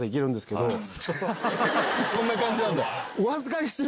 そんな感じなんだ。